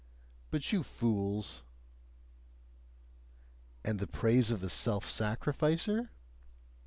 But you fools ! "And the praise of the self sacrificer?"